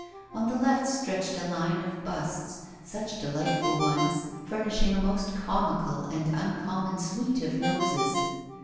On the left stretched a line of busts such delightful ones furnishing a most comical and uncommon suite of noses.